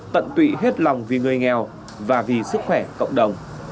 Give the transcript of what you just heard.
tận tụy hết lòng vì người nghèo và vì sức khỏe cộng đồng